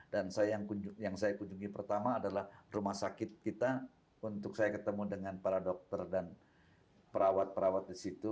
dan yang saya kunjungi pertama adalah rumah sakit kita untuk saya ketemu dengan para dokter dan perawat perawat di situ